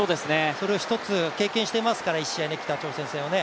それを一つ経験してますから１試合目、北朝鮮戦をね。